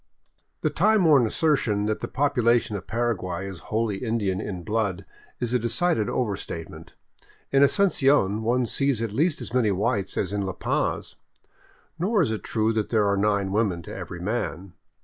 The time worn assertion that the population of Paraguay is wholly Indian in blood is a decided overstatement. In Asuncion one sees at least as many whites as in La Paz. Nor is it true that there are nine women to every man.